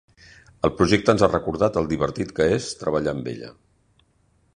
El projecte ens ha recordat el divertit que és treballar amb ella.